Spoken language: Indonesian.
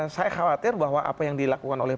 saya khawatir bahwa apa yang dilakukan oleh